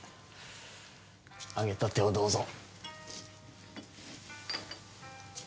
揚げたてをどうぞ。